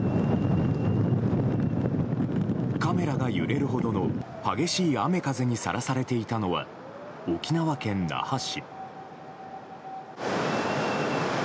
カメラが揺れるほどの激しい雨風にさらされていたのは沖縄県那覇市。